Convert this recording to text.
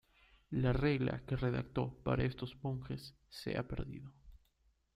La regla que redactó para estos monjes se ha perdido.